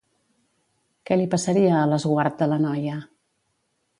Què li passaria a l'esguard de la noia?